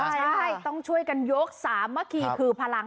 ใช่ต้องช่วยกันยกสามัคคีคือพลัง